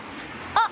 あっ！